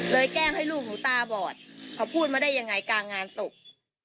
แกล้งให้ลูกหนูตาบอดเขาพูดมาได้ยังไงกลางงานศพ